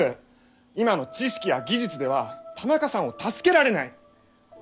今の知識や技術では田中さんを助けられない。